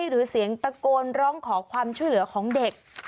หรือเสียงตะโกนร้องขอความช่วยเหลือของเด็ก